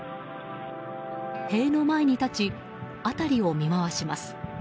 塀の前に立ち、辺りを見回します。